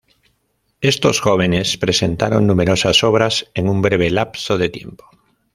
Estos jóvenes presentaron numerosas obras en un breve lapso de tiempo.